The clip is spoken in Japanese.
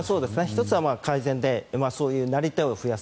１つは改善でなり手を増やす。